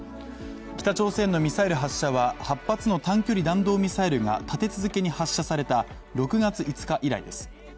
北朝鮮のミサイル発射は８発の短距離弾道ミサイルが立て続けに発射された６月５日以来です。